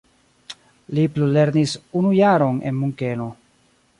Li plulernis unu jaron en Munkeno.